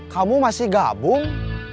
kamu masih gabung